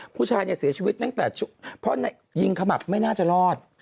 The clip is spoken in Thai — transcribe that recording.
ผู้ชายเสียชีวิตนั่งแต่ชุดยิงขมับไม่น่าจะรอด